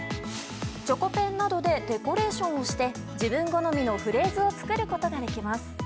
チョコペンなどでデコレーションをして自分好みのフレーズを作ることができます。